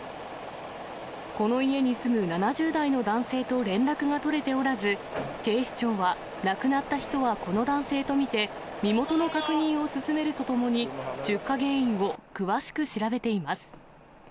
この家に住む７０代の男性と連絡が取れておらず、警視庁は、亡くなった人はこの男性と見て、身元の確認を進めるとともに、出火原因を詳しく調べています。